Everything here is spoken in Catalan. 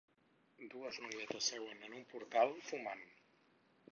Dues noietes seuen en un portal, fumant.